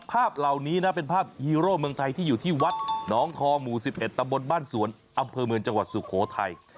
ภาพเหล่านี้นะเป็นภาพฮีโร่เมืองไทยที่อยู่ที่วัดหนองทองหมู่๑๑ตำบลบ้านสวนอำเภอเมืองจังหวัดสุโขทัย